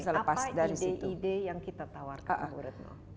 jadi apa ide ide yang kita tawarkan ke buretno